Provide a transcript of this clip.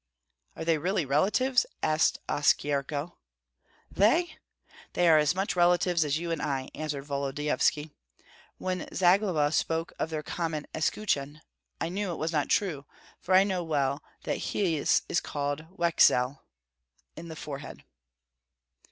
"Are they really relatives?" asked Oskyerko. "They? They are as much relatives as you and I," answered Volodyovski. "When Zagloba spoke of their common escutcheon, I knew it was not true, for I know well that his is called wczele (in the forehead)."